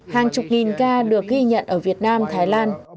hàng chục nghìn ca được ghi nhận ở việt nam thái lan